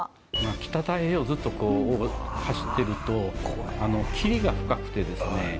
北太平洋をずっと走ってると霧が深くてですね